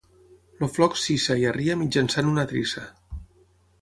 El floc s'hissa i arria mitjançant una drissa.